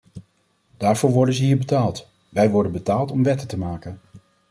Daarvoor worden ze hier betaald; wij worden betaald om wetten te maken.